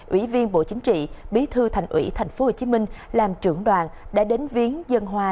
ủy viên bộ chính trị bí thư thành ủy thành phố hồ chí minh làm trưởng đoàn đã đến viến dân hòa